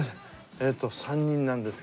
えっと３人なんです。